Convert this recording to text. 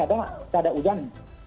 tapi memang tidak ada tidak ada hujan